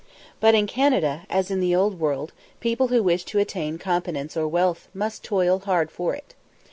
But in Canada, as in the Old World, people who wish to attain competence or wealth must toil hard for it.